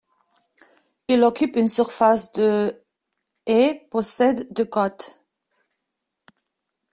Il occupe une surface de et possède de côtes.